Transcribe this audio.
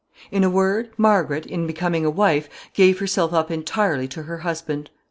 In a word, Margaret, in becoming a wife, gave herself up entirely to her husband.